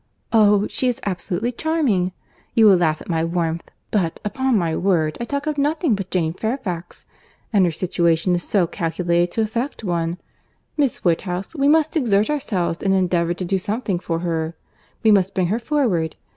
Oh! she is absolutely charming! You will laugh at my warmth—but, upon my word, I talk of nothing but Jane Fairfax.—And her situation is so calculated to affect one!—Miss Woodhouse, we must exert ourselves and endeavour to do something for her. We must bring her forward.